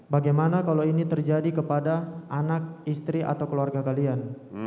bagaimana kalau ini terjadi kepada anak istri atau keluarga kalian